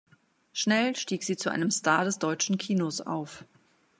Schnell stieg sie zu einem Star des deutschen Kinos auf.